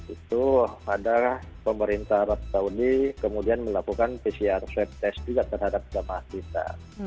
itu ada pemerintah arab saudi kemudian melakukan pcr swab test juga terhadap jemaah kita